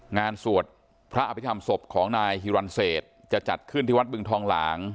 สวดพระอภิษฐรรมศพของนายฮิรันเศษจะจัดขึ้นที่วัดบึงทองหลาง